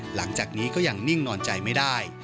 หลังจากนี้ก็ยังนิ่งนอนใจไม่ได้